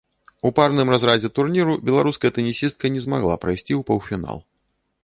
У парным разрадзе турніру беларуская тэнісістка не змагла прайсці ў паўфінал.